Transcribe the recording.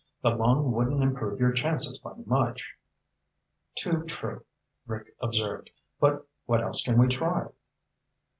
The lung wouldn't improve your chances by much." "Too true," Rick observed. "But what else can we try?"